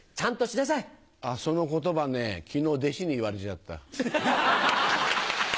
そのことばね、きのう、弟子に言われちゃった。